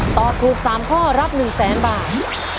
ตอบถูก๓ข้อรับ๑๐๐๐๐๐บาท